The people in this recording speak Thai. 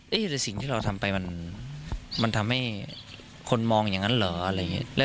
แต่สิ่งที่เราทำไปมันทำให้คนมองอย่างนั้นเหรออะไรอย่างนี้